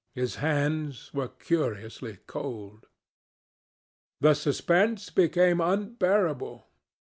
His hands were curiously cold. The suspense became unbearable.